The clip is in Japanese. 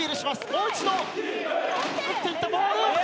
もう一度打っていったボール。